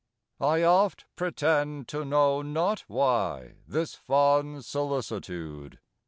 —I oft pretend to know not why This fond solicitude.